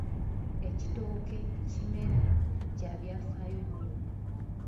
Ekitooke kimera kya byafaayo nnyo.